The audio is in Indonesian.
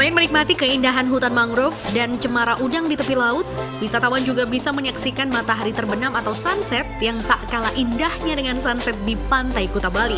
selain menikmati keindahan hutan mangrove dan cemara udang di tepi laut wisatawan juga bisa menyaksikan matahari terbenam atau sunset yang tak kalah indahnya dengan suntet di pantai kuta bali